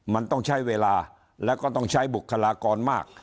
มันต้องใช้เวลาแล้วก็ต้องใช้บุคลากรมาก